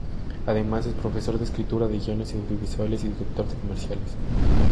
Además es profesor de escritura de guiones audiovisuales y director de comerciales.